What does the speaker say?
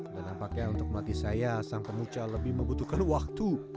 dan nampaknya untuk melatih saya sang pemucal lebih membutuhkan waktu